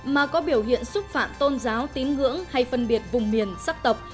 mà có biểu hiện xúc phạm tôn giáo tín ngưỡng hay phân biệt vùng miền sắc tộc